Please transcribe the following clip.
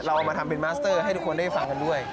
เอามาทำเป็นมัสเตอร์ให้ทุกคนได้ฟังกันด้วย